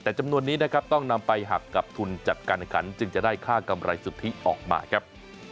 แต่จำนวนนี้นะครับต้องนำไปหักกับทุนจัดการแข่งขันจึงจะได้ค่ากำไรสุทธิออกมาครับ